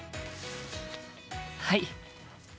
はい。